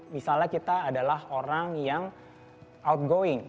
misalnya kita adalah orang yang outgoing